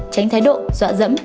tránh thái độ dọa dẫm